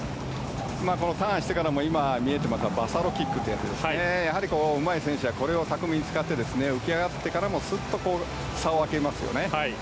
ターンしてからもバサロキックでうまい選手はこれを巧みに使って浮き上がってからもそれが差を分けますよね。